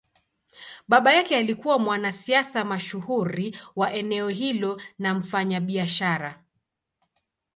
Baba yake alikuwa mwanasiasa mashuhuri wa eneo hilo na mfanyabiashara.